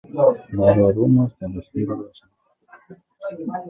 There were rumors that the singer was an orphan.